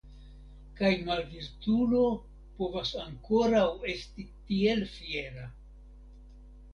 Kaj malvirtulo povas ankoraŭ esti tiel fiera!